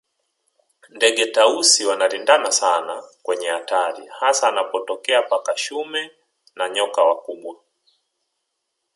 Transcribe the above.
Ndege Tausi wanalindana sana kwenye hatari hasa anapotokea paka shume na nyoka wakubwa